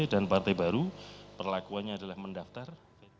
dan partai baru perlakuannya adalah mendaftar